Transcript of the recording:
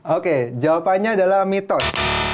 oke jawabannya adalah mitos